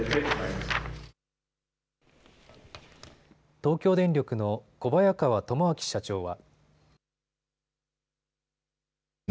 東京電力の小早川智明社長は。